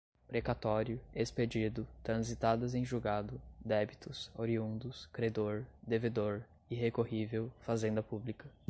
precatório, expedido, transitadas em julgado, débitos, oriundos, credor, devedor, irrecorrível, fazenda pública